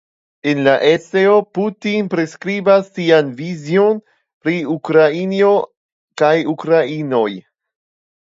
En la eseo Putin priskribas sian vizion pri Ukrainio kaj ukrainoj.